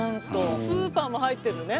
スーパーも入ってるね。